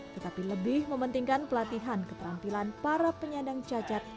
tetapi lebih mementingkan pelatihan keterampilan para penyandang cacat